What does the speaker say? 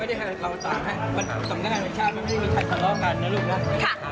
ไม่ได้ให้เขาตามนะสำนักแรกชาติมันไม่มีใครทะเลาะกันนะลูกเนอะ